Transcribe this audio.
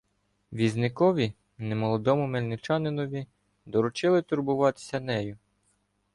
Візникові — немолодому мельничанинові — доручили турбуватися нею.